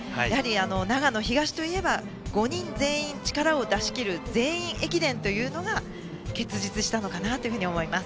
長野東といえば５人全員力を出し切る全員駅伝というのが結実したのかなと思います。